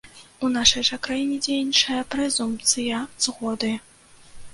У нашай жа краіне дзейнічае прэзумпцыя згоды.